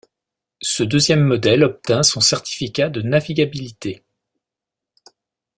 Ce deuxième modèle obtint son certificat de navigabilité.